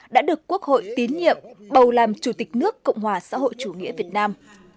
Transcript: đã được quốc hội tín nhiệm bầu làm chủ tịch nước cộng hòa xã hội chủ nghĩa việt nam